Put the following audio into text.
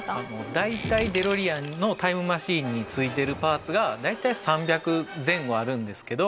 大体デロリアンのタイムマシンについているパーツが大体３００前後あるんですけど。